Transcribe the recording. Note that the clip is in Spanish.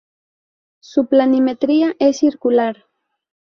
Su planimetría es circular.